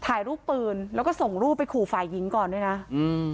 ถ่ายรูปปืนแล้วก็ส่งรูปไปขู่ฝ่ายหญิงก่อนด้วยนะอืม